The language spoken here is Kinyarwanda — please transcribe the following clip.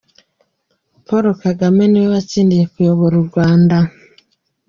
Paul Kagame ni we watsindiye kuyobora u Rwanda.